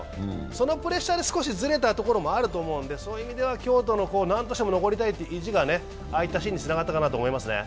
そのプレッシャーで少しずれたところもあると思うんでそういう意味では京都の、なんとしても残りたいという意地がああいったシーンにつながったかなと思いますね。